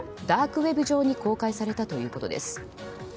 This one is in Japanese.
ダークウェブ上に公開されたということです。